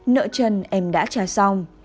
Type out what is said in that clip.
nợ chân em đã trả xong